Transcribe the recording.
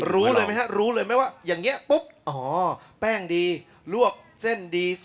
รู้เลยมั้ยครับรู้เลยมั้ยว่าอย่างเงี้ยปุ๊บอ๋อแป้งดีลวกเส้นดีสุกดี